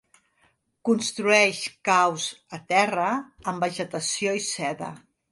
Construeix caus a terra, amb vegetació i seda.